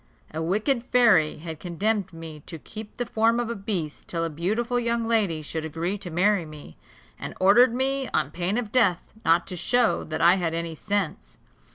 A wicked fairy had condemned me to keep the form of a beast till a beautiful young lady should agree to marry me, and ordered me, on pain of death, not to show that I had any sense.